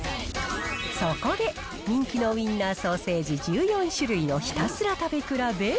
そこで、人気のウインナーソーセージ１４種類をひたすら食べ比べ。